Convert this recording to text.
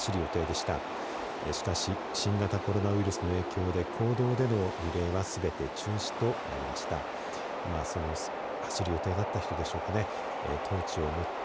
しかし新型コロナウイルスの影響で公道でのリレーはすべて中止となりました。